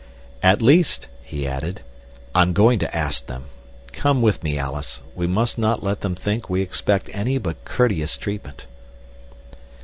"At least," he added, "I'm going to ask them. Come with me, Alice. We must not let them think we expect any but courteous treatment."